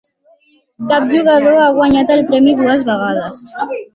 Cap jugador ha guanyat el premi dues vegades.